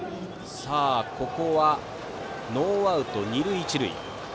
ここはノーアウト、二塁一塁。